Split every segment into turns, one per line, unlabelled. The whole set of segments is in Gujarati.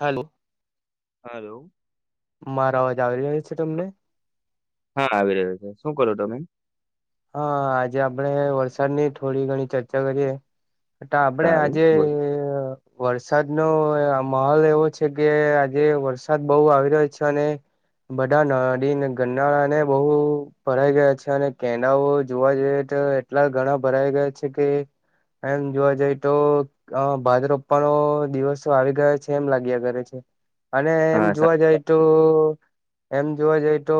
હાલો
હલો
મારા અવાજ આવી રહાય છે તમને
હા આવી રહ્યો છે શું કરો તમે
હા આજે આપડણે વરસાદની થોડી ઘણી ચર્ચા કરીએ એટ આપડે
સારું
આજે
બોલો
વરસાદનોો માહોલ એવો છે કે આજે વરસાદ બહુ આવી રહ્યો છે અને બધા નાડીને ગનાળાને બહુ ભરાઈ ગયા છે અને કેડાઓ જોવા જઈએ તો એટલા ઘણા ભરાય ગયા છે કે એમ જોવા જાય તો અ ભાદ રોપનોો દિવસો આવી ગયા છે એમ લાગ્યા ઘરે છે અને એમ
હા
જોવા
સાચી
જાય
વાત છે.
એમ જોવા જઈ તો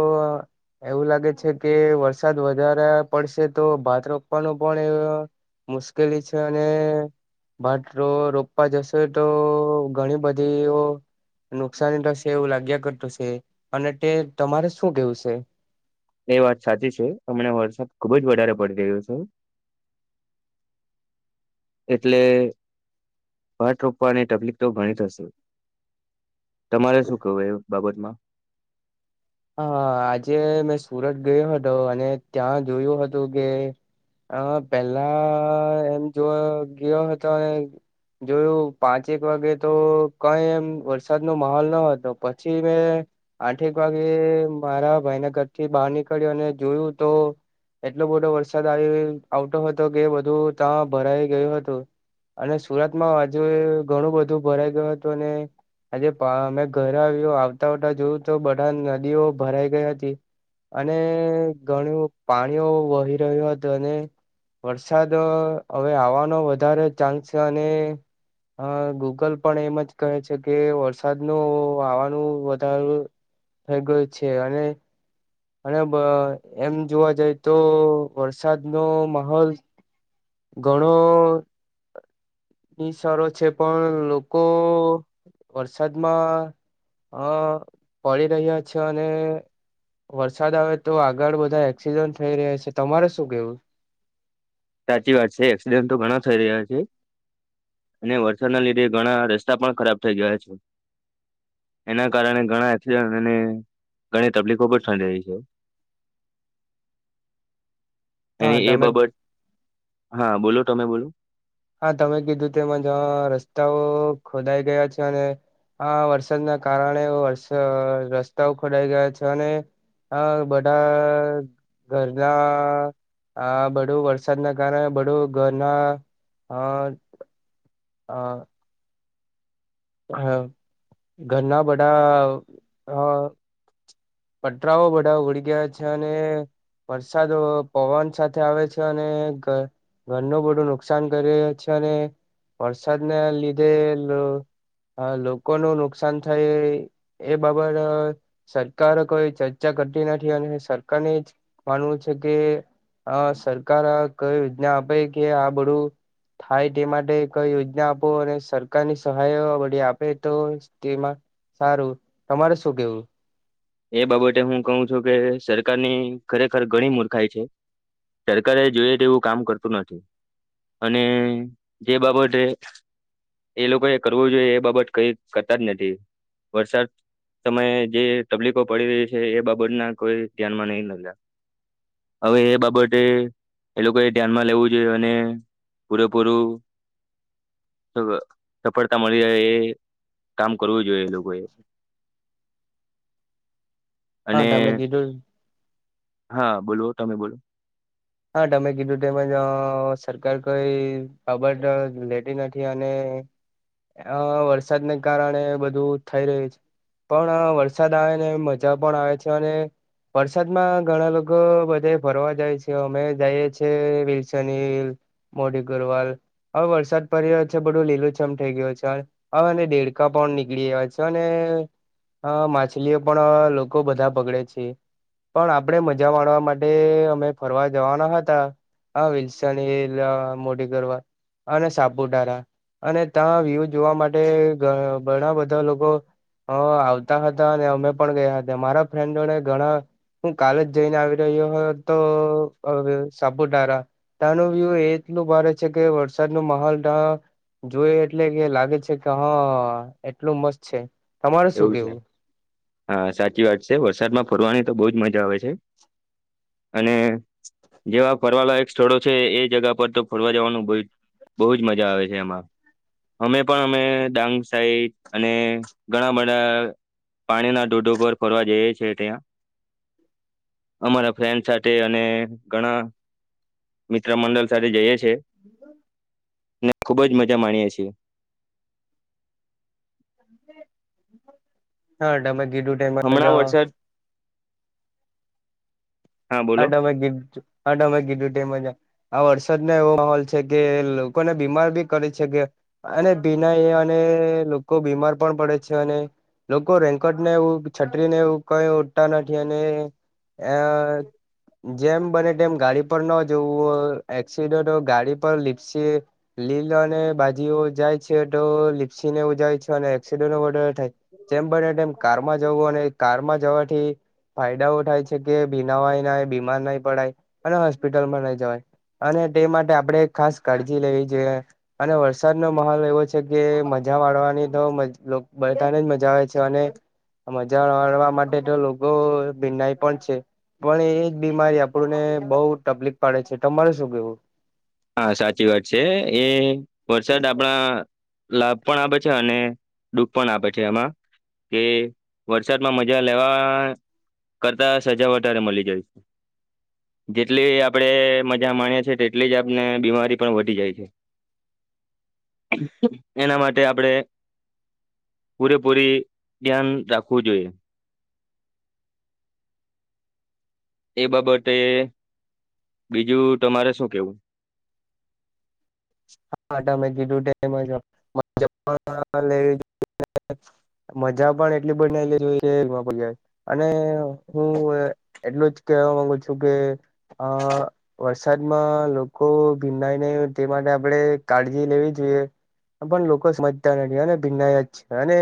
એવું લાગે છે કે વ વરસાદ વધારે પડશે તો ભાત રોપવાનું પણ એ મુશ્કેલી છે અને બાટ ર રોપવા જશે તો ઘણી બધી નુકસાની થશે એવું લાગ્યા કરતું છે અને તે તમારે શું કેવું છે
એ વાત સાચી છે હમને વરસાદ ખુબ જ વધારે પડી રહ્યો છે એટલે પાટ રોપવાની તકલીક તો ગણી થશે તમારે શું કવું એ બાબતમાં
હા આજે મેં સુરત ગયો હતો અને ત્યાં જોયું હતું કે હા પેલા એમ જોવા ગયો હતો અને જોયું પાંચેક વાગે તો કઈ એમ વરસાદ નો માહોલ ન હતો પછી મેં આઠેક વાગે મારા ભાઈના ઘરથી બહાર નીકળ્યો અને જોયું તો એટલો બધો વરસાદ આવી આવતો હતો કે બધું ત્યાં ભરાઈ ગયું હતું અને સુરતમાં હજુ ઘણું બધું ભરાઈ ગયું હતું અને આજે અમે ઘરે આવ્યું આવતા આવતા જોયું તો બધા નદીઓ ભરાઈ ગઈ હતી અને ઘણું પાણીઓ વહી રહ્યો હતું અને વરસાદ હવે આવાનો વધારે ચાન્સ છે અને હ ગૂગલ પણ એમ જ કહે છે કે વરસાદનું આવવાનું વધાર થઈ ગય છે અને અને એમ જોવા જઈ તો વરસાદ નો માહોલ ઘણો ની સારો છે પણ લોકો વરસાદમાં હ પડી રહ્યા છ અને વરસાદ આવે તો આગળ બધા એક્સિડન્ટ થઈ રહ્યા છે તમારે શું કેવું
સાચી વાત છે એક્સિડેન્ટ તો ઘણા થઈ રહ્યા છે અને વરસાદના લીધે ઘણા રસ્તા પણ ખરાબ થઇ ગયા છે એના કારણે ઘણા એસડ અને ઘણી તકલીફો પણ ંડી છે
[unintelligible]
એ
હા
એ
તમે
બાબત હા બોલો તમે બોલો
હા તમે કીધું તેમાં રસ્તાઓ ખોદાઈ ગયા છે અને હા વરસાદના કારણે વરસા રસ્તાઓ ખોડાઈ ગયા છે અને હ બધા ઘરના આ બધું વરસાદ ના કારણે બધું ઘરના હા. હા. હા ઘરના બધા હા. પટરાઓ બધા ઉળી ગયા છે અને વરસાદઓ પવન સાથે આવે છે અને ગા ઘરનું બધું નુકસાન કરે છે અને વરસાદના લીધે લો હા લોકો નો નુકસાન થઈ એ બાબત સા સરકાર કોઈ ચર્ચા કરતી નથી અને સરકાર ને જ માનવું છે કે આ સરકાર કઈ યોજના આપે કે આ બધું થાય તે માટે કઈ યોજના આપો અને સરકારની સહાયો વળી આપે તો તેમાં સારું તમારે શું કેવું.
એ બાબતે હું કહું છું કે સરકારની ખરેખર ઘણી મૂર્ખાઈ છે. સરકારે જોઈએ તેવું કામ કરતું નથી. અને જે બાબતે એ લોકોએ કરવું જોઈએ એ બાબત કઈ કરતા જ નથી. વરસાદ સમયે જે તકલીફો પડી રહી છે એ બાબત ના કોઈ ધ્યાનમાં નહી [unintelligible] હવે એ બાબતે એ લોકોએ ધ્યાનમાં લેવું જોઈ અને પૂરેપૂર સફ સફળતા મળી રહે એ કામ કરવું જોઈએ એ લોકોએ. અને
હા તમે કીધું
હા બોલો તમે બોલો.
હા તમે કીધું તેમજ સરકાર કોઈ ખબર લેતી નથી અને આ વરસાદને કારણે બધું થઈ રહ્યું છે. પણ વરસાદ આવે ને મજા પણ આવે છે અને વરસાદ માં ઘણા લોકો બધે ફરવા જાય છે. તે અમે જઈએ છીએ વિલ્સન હિલ મોડી ગરવાલ હવે વરસાદ પડી રહ્યો છે બધું લીલું છમ થઈ ગય છે હાલ. હવે ને દેડકા પણ નીકળી ગયા છે અને આ માછલીઓ પણ લોકો બધા બાગડે છે. પણ આપણે મજા માણવા માટે અમે ફરવા જવાના હતા આ વિલ્સન હિલ આ મોડી ગરવા અને સાપુતારા અને ત્યાં વ્યુ જોવા માટે ઘ ઘણા બધા લોકો હા આવતા હતા અને અમે પણ ગયા હતા મારા ફ્રેન્ડોને ઘણા હું કાલેજ જઈને આવી રહ્યો હો તો સાપુતારા. ત્યાંનું વ્યુ એ એટલું ભારે છે કે વરસાદ ન માહોલ તા જોય એટલે કે લાગે છે કે હા એટલું મસ્ત છે. તમારે શું
એવું છે
કેવું
હા સાચી વાત છે વરસાદમાં ફરવાની તો બહુંજ મજા હોય છે. અને જેવા ફરવા લાયક સ્થળો છે એ એ જગા પર તો ફરવા જવાનું બુ બહુજ મજા આવે છે એમાં અમે પણ અમે ડાંગ સાઇડ અને ઘણા બધા પાણીના ડઢોઢો ઉપર ફરવા જઈએ છે ત્યાં. અમારા ફ્રેન્ડ સાથે અને ઘણા મિત્ર મંડલ સાથે જઈએ છે ને ખુબ જ મજા માણીએ છીએ.
હા તમે કીધું તેમ જ
હમણાં
આ
વરસાદ હા
આ
બોલો
તમે કીધુ આ તમે કીધું તેમ જ આ આ વરસાદ ન એવો માહોલ છે કે લોકોને બીમાર બી કરે છે કે અને ભિનય અને લોકો બીમાર પણ પડે છે અને લોકો રેંકટને એવું છત્રીને એવું કઈ ઉઢતા નથી અને આ જેમ બને તેમ ગાડી પર ન જોવું હોય એક્સિડન્ટો ગાડી પર લીપસે લીલ અને બાજીઓ જાય છે તો લિપ્સી ને ઉજાય છે અને એક્સડો નો બોર્ડર થાય. જેમ બનેમ કારમાં જવું અને કારમાં જવાથી ફાયદાઓ થાય છે કે બીનાવાય. બીમાર નહી પડાય અને હોસ્પિટલમાં નહી જવાય અને તે માટે આપણેે ખાસ કાળજી લેવી જોઈએ અને વરસાદનો માહોલ એવો છે કે મજા વાળવાની તો બેઠાને જ મજા આવે છે અને મજા આવવા માટે તો લોકો ભિનાઈ પણ છે પણ એ જ બીમારી આપ આપને બઉ તકલીફ પાડે છે તમારે શું કેવું.
હા સાચી વાત છે એ વરસાદ આપણા લાભ પણ આપે છે અને દુઃખ પણ આપે છે એમાં કે વરસાદમાં મજા લેવા કરતા સજા વધારે મલી જાય. જેટલી આપણેે મજા માણીએ છીએ તેટલી જ આપને બીમારી પણ વધી જાય છે. એના માટે આપડે પૂરેપૂરી ધ્યાન રાખવું જોઈએ એ બાબતે બીજું તમારે શું કેવું.
હામેં કીધું ટમ [inaudible] મજા પણ એટલી બનેલી છે પગ અને હું એટલું જ કેહેવા માંગુ છું કે અ વરસાદમાં લોકો ભીનાય નહી હોય તે માટે આપડે કાળજી લેવી જોઈએ પણ લોકો સમજતા નથી અને ભિન્ન જ છે અને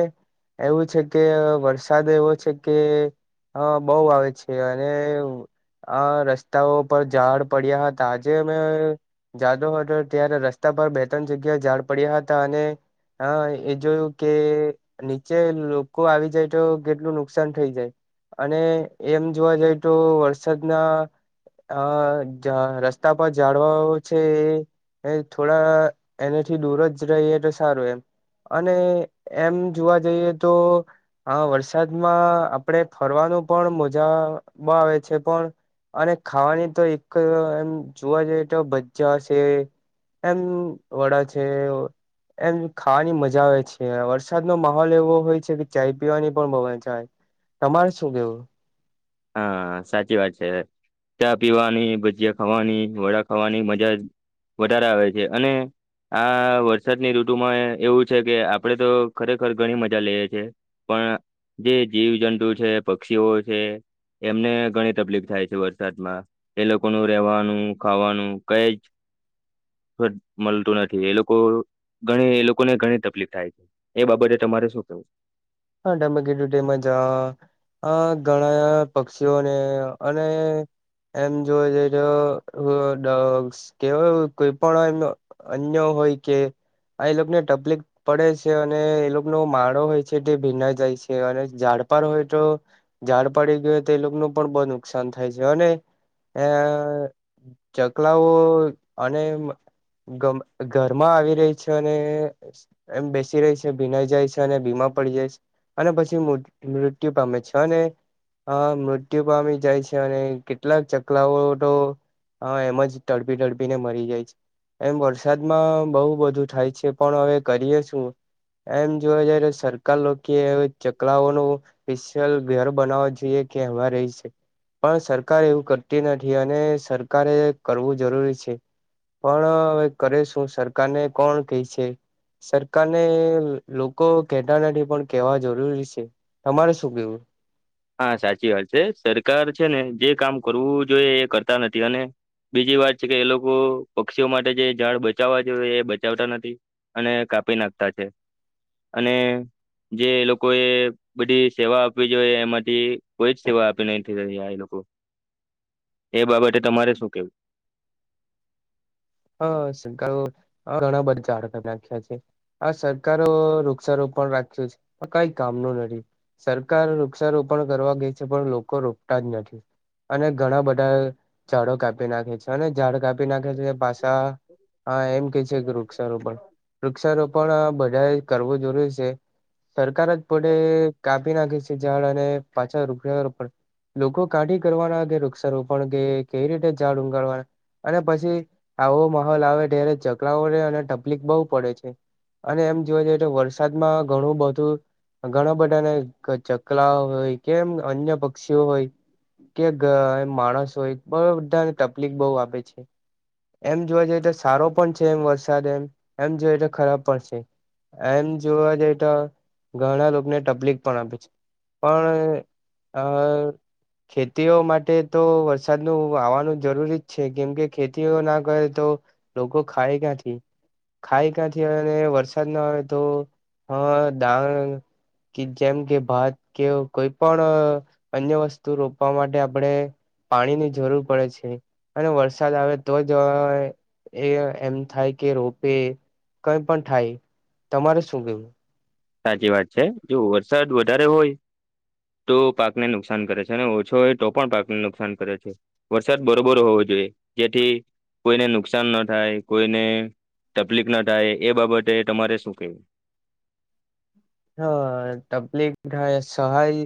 એવું છે કે વરસાદ એવો છે કે હા બહુ આવે છે અને આ રસ્તાઓ પર ઝાડ પડ્યા હતા આજે અમે જાતો હતો ત્યારે રસ્તા રસ્તા પર બે ત્રણ જગ્યા ઝાડ પડ્યા હતા અને હ એ જોયું કે નીચે લોકો આવી જાય તો કેટલું નુકસાન થઇ જાય. અને એમ જોવા જઈ તો વરસાદના અ જા રસ્તા પર ઝાડવો છે એ થોડા એનેથી દૂર જ રહીએ તો સારું એમ. અને એમ જોવા જઈએ તો હા વરસાદમાં આપડે ફરવાનું પણ મજા બહુ આવે છે પણ અને ખાવાની તો એક એમ જોવા જઈએ તો ભજા શે. એમ વડા છે. એમ ખાવાની મજા આવે છે વરસાદ નો માહોલ એવો હોય છે કે ચાય પીવાની પણ બ‌ઉ મજા આવે. તમારે શું કેવું.
હા સાચી વાત છે. ચા પીવાની ભજીયા ખાવાની વડા ખાવાની મજા વધારે આવે છે અને. આ વરસાદની ઋતુમાં એવું છે કે આપડે તો ખરેખર ઘણી મજા લઈએ છ છેએ પણ જે જીવજંતુ છે પક્ષીઓ છે. એમને ઘણી તકલીફ થાય છે વરસાદમાં એ લોકોનું રેવાનું ખાવાનું કઈ જ. મલતું નથી એ લોકો ઘણી એ લોકોને ઘણી તકલીફ થાય છે. એ બાબતે તમારે શું કેવું છે.
હા તમે કીધું તે મજા. આ ઘણા પક્ષીઓને અને એમ જોવે જઈ તો કેવાય કોઈ પણ હોય એમ અન્ય હોય કે આ એ લોકોને તકલીફ પડે છે અને એ લોકોનો માળો હોય છે. છેટે ભીના જાય છે અને ઝડપાર હોય તો ઝાડ પડી ગયું હો તો એ લોકોનું પણ બહુ નુકસાન થાય છે અને આ ચકલાઓ અને ઘરમાં આવી રહી છે અને એમ બેસી રહી છે ભીનાઈ જાય છે અને બીમા. પડી જાય અને પછી મૃત્યુ પામે છે અને. હા મૃત્યુ પામી જાય છે, અને કેટલાક ચકલાઓ તો. હા એમજ ટડપી ટડપી ને મરી જાય છે. એમ વરસાદમાં બહુ બધું થાય છે પણ હવે કરીએ શું. એમ જોવા જઈ સર. કે હવે ચકલાઓનો સ્પેશિયલ ઘર બનાવો જોઈએ કે એમાં રહિ શ. પણ સરકાર એવું કરતી નથી અને સરકારે કરવું જરૂરી છે. પણ હવે કરે શું સરકાર ને કોણ કહેશે. સરકાર ને લોકો કે. થી પણ કેવા જરૂરી છે તમારે શું કેવું.
હા સાચી વાત છે સરકાર છે ને જે કામ કરવું જોઈએ એ કરતા નથી અને. બીજી વાત છે કે એ લોકો પક્ષીઓ માટે જે ઝાડ બચાવવા જોઈ એ બચાવતા નથી. અને કાપી નાખતા છે. અને જે લોકો એ બધી સેવા આપવી જોઈએ એમાં. એ કોઈ જ સેવા આપી નહી આઇ લોકો એ બાબતે તમારે શું કેવું.
હ શકાળ ઘણા બધા ઝાડ કરી નાખ્યા છે. આ સરકારો વૃક્ષારોપ પણ રાખ્યો છે, આ કઈ કામનું નથી. સરકાર વૃક્ષારોપણ કરવા ગઈ છે પણ લોકો રોપતા જ નથી. અને ઘણા બધા ઝાડો કાપી નાખે છે અને ઝાડ કાપી નાખે છે પાછ. હા એમ કે છે કે વૃક્ષારોપણ વૃક્ષારોપણ આ બધાય કરવું જરૂરી. સરકાર જ પોતેે કાપી નાખે છે ઝાડ અને પાછા રૂપિયા. લોકો કાઢી કરવાના કે વૃક્ષારોપણ કે કેવી રીતે ઝાડ ઊગાળવાના અને પછી. આવો માહોલ આવે ત્યારે ચકલાઓ રહેે એને તકલીફ બહુ પડે છે. અને એમ જોવા જઈએ તો વરસાદમાં ઘણું બધું. ઘણા બધાને ચકલા હોય કેમ અન્ય પક્ષીઓ હોય. એ માણસ હોય બ બધાને તકલીફ બઉ આપે છે. એમ જોવા જઈએ તો સારો પણ છે એમ વરસાદ એમ, એમ જોય તો ખરાબ પણ છે. એમ જોવા જઈ તો ઘણા લોકોને તકલીફ પણ આપે છે. પણ આ. ખેતીઓ માટે તો વરસાદનું આવાનું જરૂરી જ છે કેમકે ખેતી. તીઓ ના કરે તો લોકો ખાય ક્યાંથી. ખાઈ ક્યાંથી આવે અને વરસાદ ના આવે તો હ દાણ. કે જેમ કે ભાત કે કોઈ પણ. અન્ય વસ્તુ રોપવા માટે આપણે પાણીની જરૂર પડે છે અને વરસાદ આવે. તો જ એ એમ થાય કે રોપે કઈ પણ થાય. તમારે શું કેવું.
સાચી વાત છે જો વરસાદ વધારે હોય. તો પાકને નુકસાન કરે છે, અને ઓછો હોય તો પણ પાકને નુકસાન કરે છે. વરસાદ બરોબર હોવો જોઈએ જેથી કોઈને નુકસાન ન થાય કોઈને. તપલીક ના થાય એ બાબતે તમારે શું કેવું.
હા તપલીક થાય સહાય.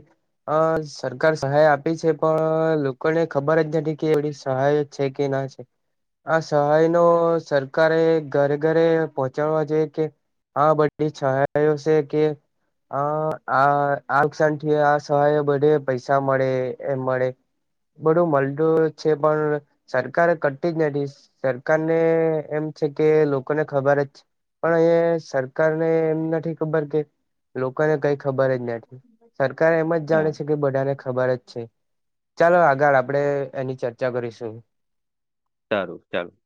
અ સરકાર સહાય આપી છે પણ લોકોને ખબર જ નથી કે એવડી સહાય. છે કે ના છે. આ સહાય નો સરકારે ઘરે ઘરે પહોચાડવા જોઈએ કે. આ બધી સહાયો છે કે. હ આ આ નુકસાન થી આ સહાય બધે પૈસા મળે એમ મળે. બધું મળતું છે પણ. સરકાર કરતી જ નથી સરકાર ને એમ છે કે લોકોને ખબર જ. પણ આયા સરકાર ને એમ નથી ખબર કે. લોકોને કઈ ખબર જ નથી સરકાર એમ જ જાણે
હા
છે કે બધાને ખબર જ છે. ચાલો આગળ આપડે એની ચર્ચા કરીશું
સારું ચાલું